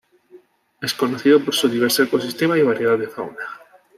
Es conocido por su diverso ecosistema y variedad de fauna.